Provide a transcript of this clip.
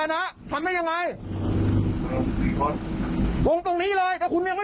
แล้วนั่งรอผมโทรเถ้าเธออยู่แล้วค่ะ